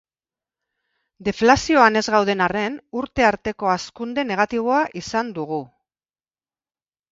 Deflazioan ez gauden arren, urte arteko hazkunde negatiboa izan dugu.